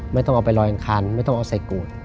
ไม่ต้องเอาไปลอยอังคารไม่ต้องเอาใส่โกรธ